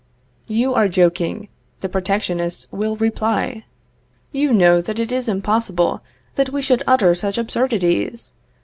You are joking, the protectionists will reply. You know that it is impossible that we should utter such absurdities.